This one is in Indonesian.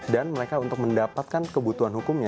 dan mereka untuk mendapatkan kebutuhan hukumnya